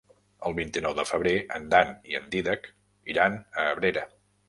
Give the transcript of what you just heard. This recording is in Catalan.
El vint-i-nou de febrer en Dan i en Dídac iran a Abrera.